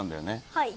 はい。